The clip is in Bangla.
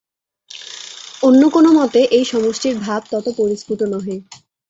অন্য কোন মতে এই সমষ্টির ভাব তত পরিস্ফুট নহে।